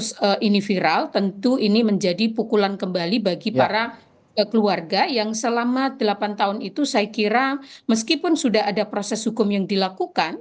karena ketika kasus ini viral tentu ini menjadi pukulan kembali bagi para keluarga yang selama delapan tahun itu saya kira meskipun sudah ada proses hukum yang dilakukan